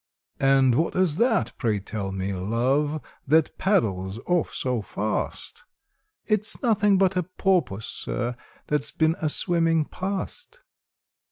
"And what is that, pray tell me, love, that paddles off so fast?" "It's nothing but a porpoise, sir, that 's been a swimming past."